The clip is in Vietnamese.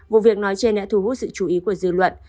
vụ việc nói trên đã thu hút sự chú ý của dư luận